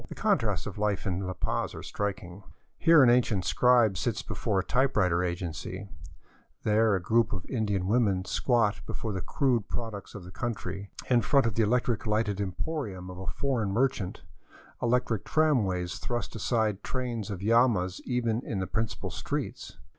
The contrasts of life in La Paz are striking. Here an ancient scribe sits before a typewriter agency; there a group of Indian women squat before the crude products of the country, in front of the elec tric lighted emporium of a foreign merchant ; electric tramways thrust aside trains of llamas even in the principal streets.